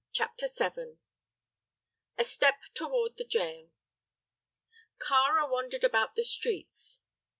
CHAPTER VII. A STEP TOWARD THE GOAL. Kāra wandered about the streets.